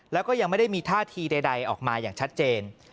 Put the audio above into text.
แล้วก็ยังไม่ได้มีท่าทีใดออกมาอย่างชัดเจน